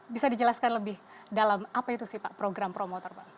bisa dijelaskan lebih dalam apa itu sih pak program promotor pak